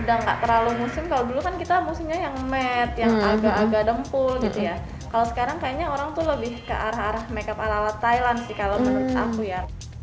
udah gak terlalu musim kalau dulu kan kita musimnya yang mat yang agak agak dempul gitu ya kalau sekarang kayaknya orang tuh lebih ke arah arah makeup ala ala thailand sih kalau menurut aku ya